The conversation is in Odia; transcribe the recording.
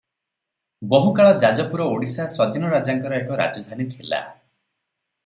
ବହୁକାଳ ଯାଜପୁର ଓଡ଼ିଶା ସ୍ୱାଧୀନରାଜାଙ୍କର ଏକ ରାଜଧାନୀ ଥିଲା ।